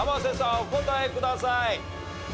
お答えください。